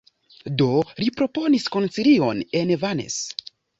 Do, li proponis koncilion en Vannes.